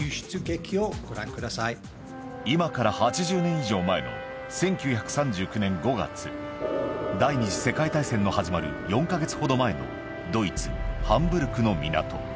今から８０年以上前の１９３９年５月、第２次世界大戦の始まる４か月ほど前のドイツ・ハンブルクの港。